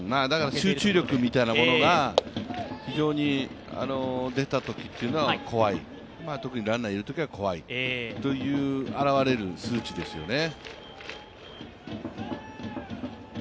集中力みたいなものが非常に出たときというのは怖い、特にランナーがいるときは怖いという、現れる数値ですよね。